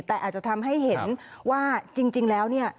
แต่อาจจะทำให้เห็นว่าจริงแล้วเนี่ย